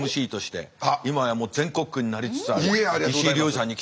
ＭＣとして今やもう全国区になりつつある。